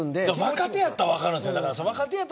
若手やったら分かるんですよ。